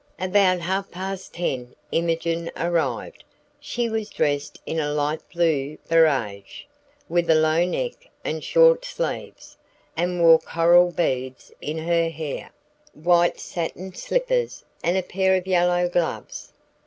About half past ten Imogen arrived. She was dressed in a light blue barège, with low neck and short sleeves, and wore coral beads in her hair, white satin slippers, and a pair of yellow gloves.